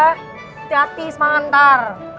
hati hati semangat ntar